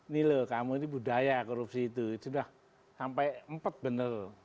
nih loh kamu ini budaya korupsi itu sudah sampai empat bener